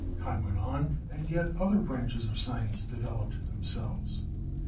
Time went on, and yet other branches of science de veloped themselves.